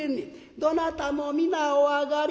「どなたも皆おあがり」。